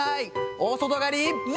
大外刈り。